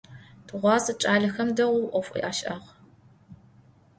Tığuase ç'alexem değou 'of aş'ağ.